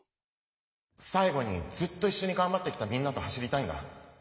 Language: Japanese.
最後にずっといっしょにがんばってきたみんなと走りたいんだ。